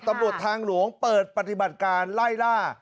ตำรวจทางหลวงเปิดปฏิบัติการไล่ล่า